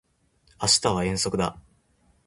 明日は遠足だ